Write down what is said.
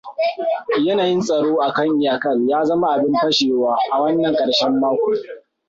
Yanayin tsaro a kan iyakar ya zama abin fashewa a wannan karshen mako.